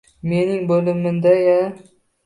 Mening bo`limimda-ya